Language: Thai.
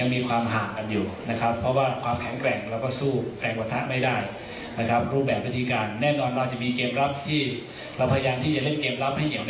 ในเกียวกับคนที่กลับใกล้